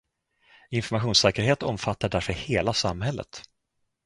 Informationssäkerhet omfattar därför hela samhället.